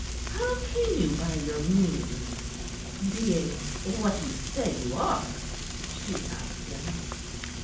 "How came you by your means, being what you say you are?" she asked him.